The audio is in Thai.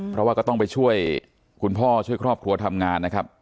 เพราะว่าก็ต้องไปช่วยคุณพ่อช่วยครอบครัวทำงานนะครับ